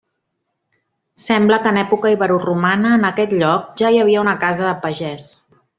Sembla que en època iberoromana en aquest lloc ja hi havia una casa de pagès.